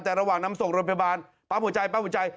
แต่ระหว่างนำส่งโรงพยาบาลปั๊มหัวใจปั๊มหัวใจ